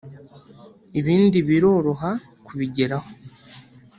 ibindi biroroha kubigeraho